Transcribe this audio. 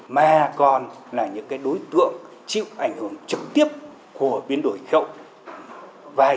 mà còn là những đối tượng chịu ảnh hưởng trực tiếp của biến đổi khí hậu